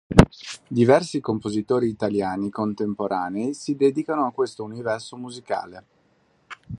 Diversi compositori italiani contemporanei si dedicano a questo universo musicale.